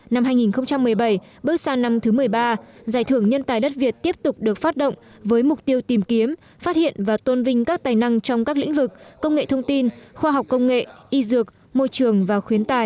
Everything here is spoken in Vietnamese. năm hai nghìn một mươi bảy bước sang năm thứ một mươi ba giải thưởng nhân tài đất việt tiếp tục được phát động với mục tiêu tìm kiếm phát hiện và tôn vinh các tài năng trong các lĩnh vực công nghệ thông tin khoa học công nghệ y dược môi trường và khuyến tài